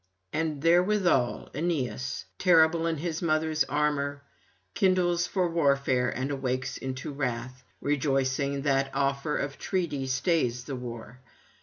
And therewithal Aeneas, terrible in his mother's armour, kindles for warfare and awakes into wrath, rejoicing that offer of treaty stays the war.